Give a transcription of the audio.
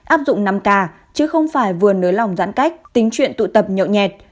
áp dụng năm k chứ không phải vườn nới lòng giãn cách tính chuyện tụ tập nhộn nhẹt